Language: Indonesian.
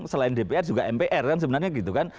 selain dpr juga mpr kan sebenarnya gitu kan